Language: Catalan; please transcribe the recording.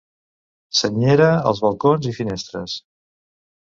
Senyera als balcons i finestres.